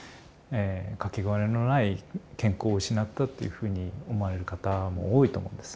掛けがえのない健康を失ったっていうふうに思われる方も多いと思うんです。